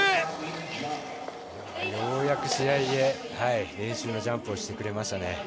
ようやく試合で練習のジャンプをしてくれましたね。